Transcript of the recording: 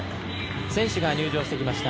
選手が入場してきました。